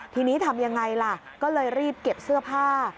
ทีนี้ทำยังไงล่ะก็เลยรีบเก็บเสื้อผ้า